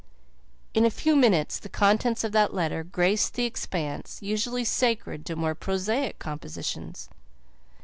In a few minutes the contents of that letter graced the expanse usually sacred to more prosaic compositions.